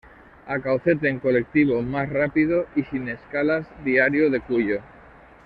A Caucete en colectivo, más rápido y sin escalas Diario de Cuyo